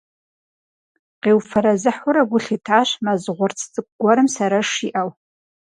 Къиуфэрэзыхьурэ гу лъитащ мэз гъурц цӀыкӀу гуэрым сэрэш иӀэу.